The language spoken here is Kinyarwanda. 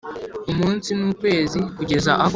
Umunsi n ukwezi kugeza aho